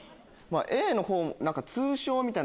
Ａのほう通称みたいな。